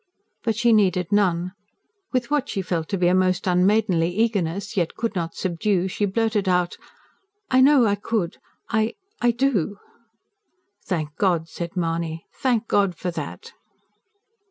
But she needed none. With what she felt to be a most unmaidenly eagerness, yet could not subdue, she blurted out: "I know I could. I ... I do." "Thank God!" said Mahony. "Thank God for that!"